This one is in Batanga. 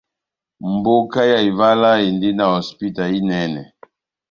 Mboka ya Ivala endi na hosipita inɛnɛ.